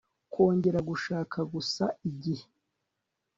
kongera gushaka gusa igihe